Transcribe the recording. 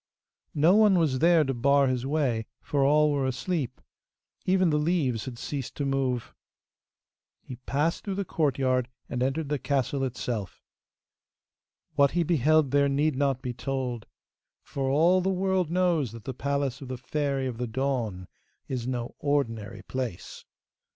No one was there to bar his way, for all were asleep. Even the leaves had ceased to move. He passed through the courtyard, and entered the castle itself. What he beheld there need not be told, for all the world knows that the palace of the Fairy of the Dawn is no ordinary place.